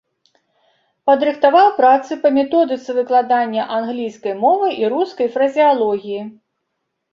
Падрыхтаваў працы па методыцы выкладання англійскай мовы і рускай фразеалогіі.